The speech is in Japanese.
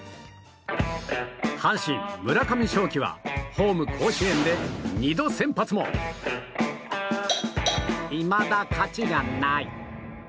阪神、村上頌樹はホーム甲子園で２度先発もいまだ勝ちがない。